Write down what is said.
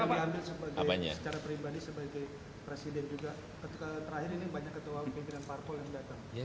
pak rambu yang diambil secara pribadi sebagai presiden juga